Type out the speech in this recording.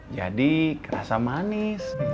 jadi kerasa manis